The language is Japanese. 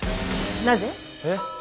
なぜ？えっ？